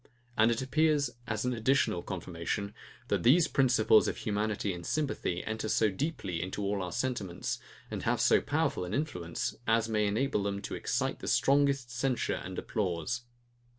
And it appears, as an additional confirmation, that these principles of humanity and sympathy enter so deeply into all our sentiments, and have so powerful an influence, as may enable them to excite the strongest censure and applause.